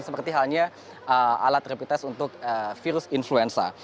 seperti halnya alat rapid test untuk virus influenza